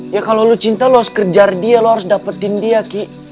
ya kalau lo cinta lo harus kejar dia lo harus dapetin dia ki